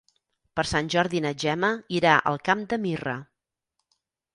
Per Sant Jordi na Gemma irà al Camp de Mirra.